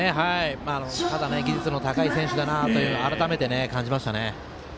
ただ技術の高い選手だなと改めて感じましたね。